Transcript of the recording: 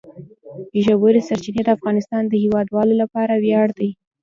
ژورې سرچینې د افغانستان د هیوادوالو لپاره ویاړ دی.